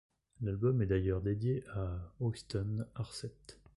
L'album est d'ailleurs dédié à Øystein Aarseth.